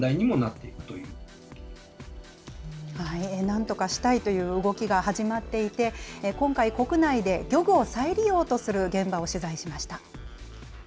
なんとかしたいという動きが始まっていて、今回、国内で漁具を再利用とする現場を取材しました。